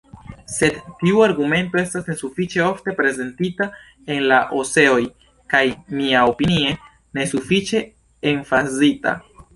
Sed tiu argumento estas nesufiĉe ofte prezentita en la eseoj, kaj, miaopinie, nesufiĉe emfazita.